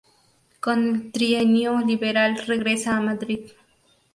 Con el Trienio liberal regresa a Madrid.